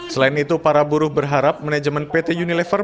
selain itu para buruh berharap manajemen pt unilever